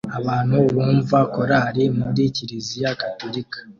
Abantu bumva korari muri kiliziya gatolika